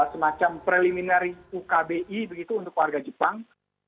semacam preliminary ukbi begitu untuk warga jepang